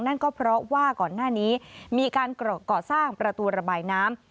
นั่นก็เพราะว่าก่อนหน้านี้มีการก่อสร้างประตูระบายน้ำ